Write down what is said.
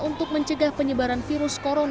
untuk mencari penerbangan yang tidak diperlukan